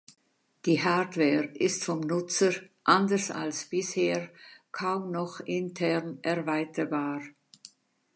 Die Hardware ist vom Nutzer, anders als bisher, kaum noch intern erweiterbar.